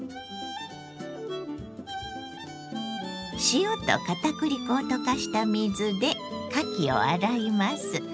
塩と片栗粉を溶かした水でかきを洗います。